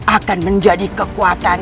akan menjadi kekuatan